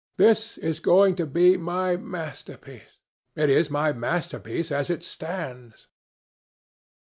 This is going to be my masterpiece. It is my masterpiece as it stands."